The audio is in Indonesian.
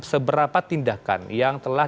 seberapa tindakan yang telah